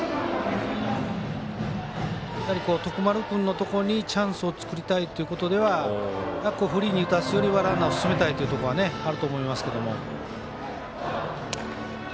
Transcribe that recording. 徳丸君のところにチャンスを作りたいということでフリーに打たすよりはランナーを進めたいっていうところがあると思いますけども。